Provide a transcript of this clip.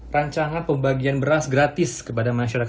rancangan pembagian beras gratis kepada masyarakat